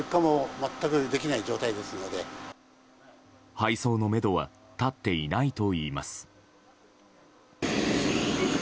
配送のめどは立っていないといいます。